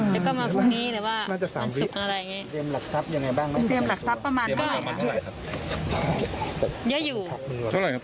แต่ก็มาพุ่งนี้หรือว่ามันสุกอะไรอย่างนี้